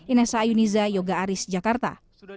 inessa ayuniza yoga aris jakarta